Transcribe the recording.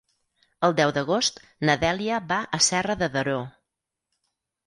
El deu d'agost na Dèlia va a Serra de Daró.